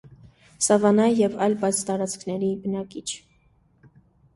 Սավանայի և այլ բաց տարածքների բնակիչ։